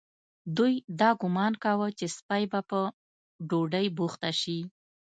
دوی دا ګومان کاوه چې سپۍ به په ډوډۍ بوخته شي.